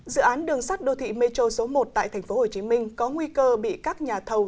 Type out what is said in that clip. dự án đường sắt đô thị metro số một tại tp hcm có nguy cơ bị các nhà thầu